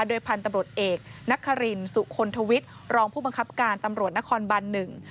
โดยพันธุ์ตำรวจเอกนักฮารินสุคลทวิทย์รองผู้บังคับการตำรวจนครบันหนึ่ง